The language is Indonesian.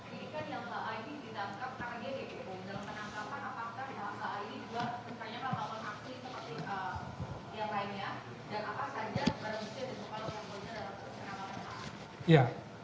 dalam penangkapan apakah yang t a ini juga bertanya tentang aksi seperti yang lainnya